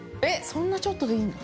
そんなちょっとでいいの？